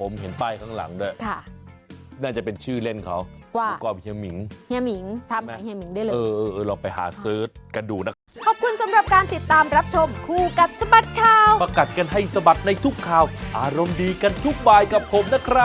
ผมเห็นป้ายข้างหลังด้วยน่าจะเป็นชื่อเล่นเขาหาเฮียหิงได้เลย